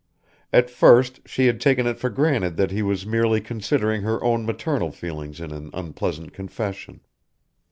At first she had taken it for granted that he was merely considering her own maternal feelings in an unpleasant confession.